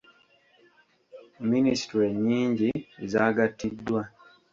Minisitule nnyingi zaagattiddwa.